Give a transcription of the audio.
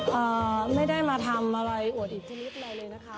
เอ่อไม่ได้มาทำอะไรอวดอีกทีนิดหน่อยเลยนะครับ